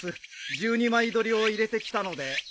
１２枚撮りを入れてきたので。